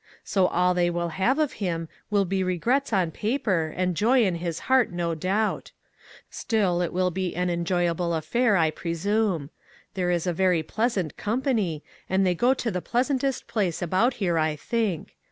So all they will have of him will be regrets on paper, and joy in his heart, no doubt. Still, it will be aij enjoy able affair, I presume. There is a very pleas l6 ONE COMMONPLACE DAY. ant company, and they go to the pleasant est place about here, I think.